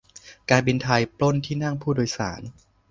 การบินไทย ปล้นที่นั่งผู้โดยสาร